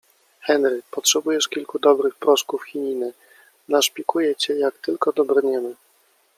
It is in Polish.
Henry. - Potrzebujesz kilku dobrych proszków chininy. Naszpikuję cię, jak tylko dobrniemy